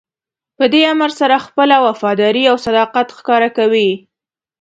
په دې امر سره خپله وفاداري او صداقت ښکاره کوئ.